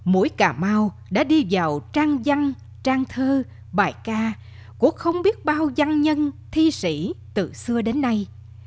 mũi cà mau đã đi vào trang dân trang thơ bài ca của không biết bao danh nhân thi sĩ từ xưa đến nay